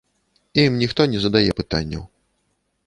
Ім ніхто не задае пытанняў.